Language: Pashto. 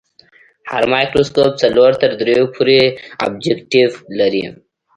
هر مایکروسکوپ څلور تر دریو پورې ابجکتیف لري.